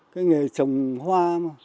cái nghề trồng hoa mà